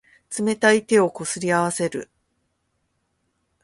冷たい手をこすり合わせる。